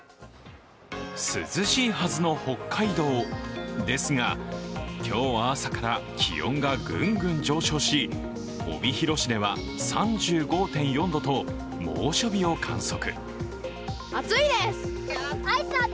涼しいはずの北海道ですが今日は朝から気温がグングン上昇し帯広市では３５．４度と猛暑日を観測。